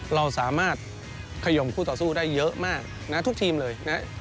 เราสามารถขยมคู่ต่อสู้ได้เยอะมากนะทุกทีมเลยนะ